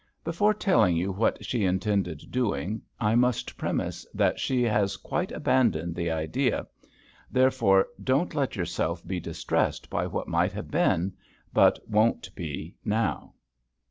"Before telling you what she intended doing, I must premise that she has quite abandoned the idea; therefore don't let yourself be distressed by what might have been, but won't be now."